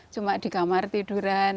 cuma di kamar tiduran